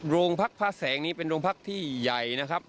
โรงพักพระแสงนี้เป็นโรงพักที่ใหญ่นะครับ